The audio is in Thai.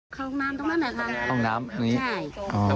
ข้างลงน้ำตรงนั้นแหละค่ะข้างลงน้ำอันนี้ใช่